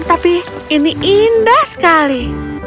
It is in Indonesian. tapi ini indah sekali